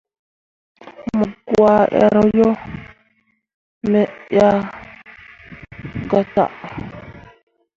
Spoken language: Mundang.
Mu gah err wo, me ah gatah.